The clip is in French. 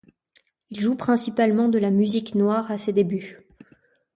Il joue principalement de la musique noire à ses débuts.